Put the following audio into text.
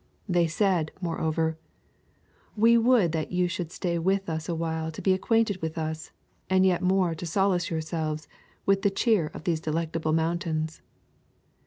They said, moreover: We would that you should stay with us a while to be acquainted with us, and yet more to solace yourselves with the cheer of these Delectable Mountains.